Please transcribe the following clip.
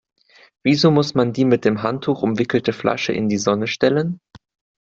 Wieso muss man die mit dem Handtuch umwickelte Flasche in die Sonne stellen?